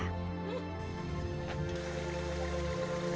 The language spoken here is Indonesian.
jika siang suhu panas menyengat dan udara pengap di bagian dalam tenda